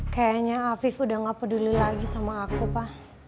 kayaknya afif udah gak peduli lagi sama aku pak